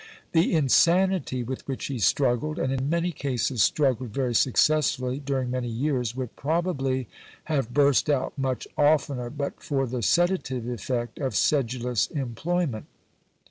The insanity with which he struggled, and in many cases struggled very successfully, during many years, would probably have burst out much oftener but for the sedative effect of sedulous employment.